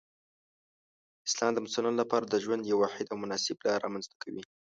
اسلام د مسلمانانو لپاره د ژوند یو واحد او مناسب لار رامنځته کوي.